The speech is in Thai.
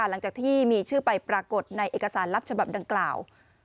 หลังจากที่มีชื่อไปปรากฏในเอกสารลับฉบับดังกล่าว